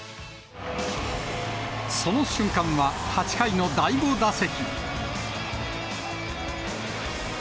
その瞬間は、８回の第５打席。